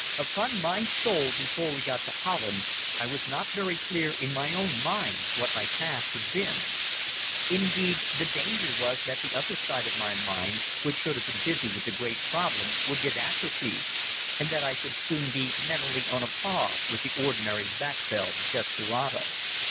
Upon my soul, before we got to Holland I was not very clear in my own mind what my past had been. Indeed the danger was that the other side of my mind, which should be busy with the great problem, would get atrophied, and that I should soon be mentally on a par with the ordinary backveld desperado.